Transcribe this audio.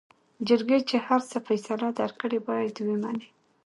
جرګې چې هر څه فيصله درکړې بايد وې منې.